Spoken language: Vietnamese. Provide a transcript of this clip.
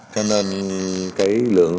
cho nên cái lượng